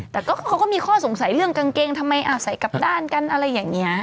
แต่เขาก็มีข้อสงสัยเรื่องกางเกงทำไมใส่กลับด้านกันอะไรอย่างนี้